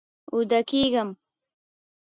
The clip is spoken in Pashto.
اوده کیږم